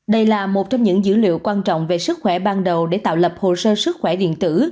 đây là một trong những dữ liệu quan trọng về sức khỏe ban đầu để tạo lập hồ sơ sức khỏe điện tử